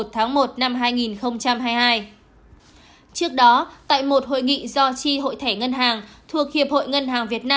trước đó tại một hội nghị do tri hội thẻ ngân hàng thuộc hiệp hội ngân hàng việt nam